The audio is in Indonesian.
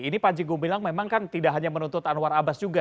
ini panji gumilang memang kan tidak hanya menuntut anwar abbas juga